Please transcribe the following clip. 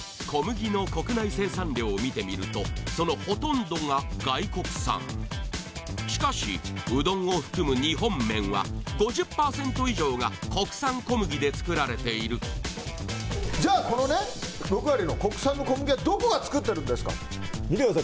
小麦粉の国内生産量を見てみるとそのほとんどが外国産しかしうどんを含む日本麺は５０％以上が国産小麦で作られているじゃあこの６割の国産の小麦はどこが作ってるんですかって。